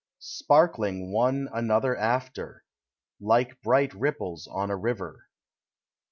Sparkling one another after, Like bright ripples on a river.